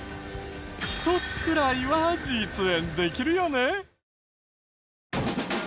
１つくらいは実演できるよね？